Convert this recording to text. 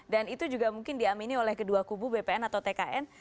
dan itu juga mungkin diamini oleh kedua kubu bpn atau tkn